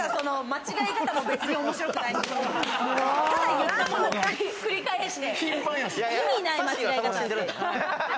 間違え方も別に面白くないし。